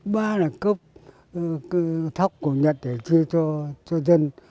ba là cấp thóc của nhật để chia cho dân